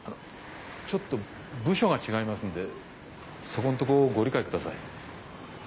ちょっと部署が違いますんでそこんとこご理解ください。